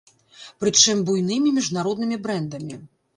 Прычым буйнымі міжнароднымі брэндамі.